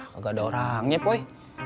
gak ada orangnya boy